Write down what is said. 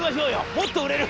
もっと売れる。